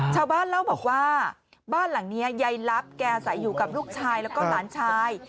ชาวบ้านเล่าบอกว่าบ้านหลังนี้ยายลับแกใส่อยู่กับลูกชายแล้วก็หลานชาย